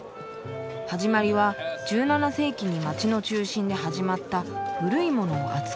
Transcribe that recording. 始まりは１７世紀に街の中心で始まった古いものを扱う市」。